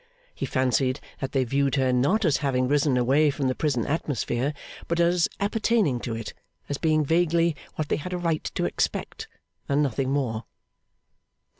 He fancied that they viewed her, not as having risen away from the prison atmosphere, but as appertaining to it; as being vaguely what they had a right to expect, and nothing more.